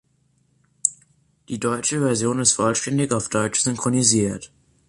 Die deutsche Version ist vollständig auf Deutsch synchronisiert.